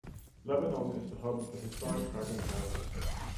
Lebanon is the home of the Historic Cragun House.